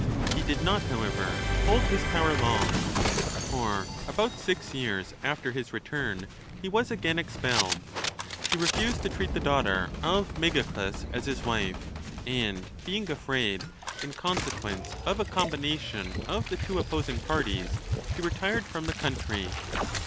He did not, however, hold his power long, for about six years after his return he was again expelled. He refused to treat the daughter of Megacles as his wife, and being afraid, in con sequence, of a combination of the two opposing parties, he retired from the country.